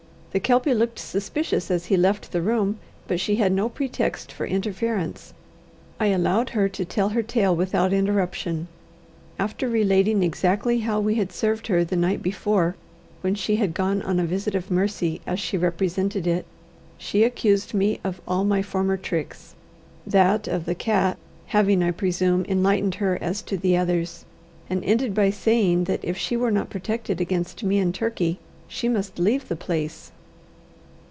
The Kelpie looked suspicious as he left the room, but she had no pretext for interference. I allowed her to tell her tale without interruption. After relating exactly how we had served her the night before, when she had gone on a visit of mercy, as she represented it, she accused me of all my former tricks that of the cat having, I presume, enlightened her as to the others; and ended by saying that if she were not protected against me and Turkey, she must leave the place.